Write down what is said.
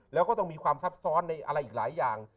แล้วก็ต้องมีความซับซ้อนในอะไรอีกหลายอย่าง